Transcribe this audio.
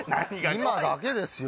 今だけですよ